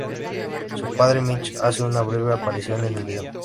Su padre Mitch, hace una breve aparición en el video.